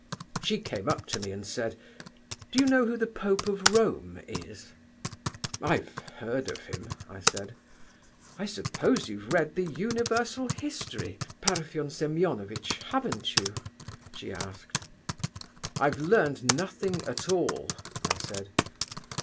"She came up to me and said, 'Do you know who the Pope of Rome is?' 'I've heard of him,' I said. 'I suppose you've read the Universal History, Parfen Semeonovitch, haven't you?' she asked. 'I've learned nothing at all,' I said.